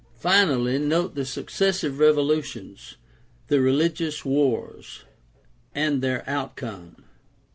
Finally, note the successive revolutions, the religious wars, and their outcome.